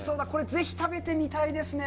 ぜひ食べてみたいですね。